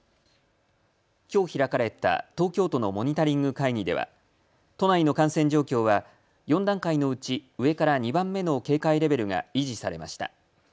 きょう開かれた東京都のモニタリング会議では都内の感染状況は４段階のうち上から２番目の警戒レベルが維持されました。